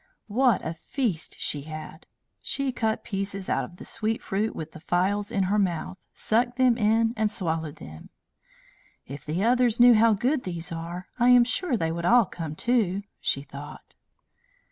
What a feast she had! She cut pieces out of the sweet fruit with the files in her mouth, sucked them in, and swallowed them. "If the others knew how good these are, I am sure they would all come too," she thought.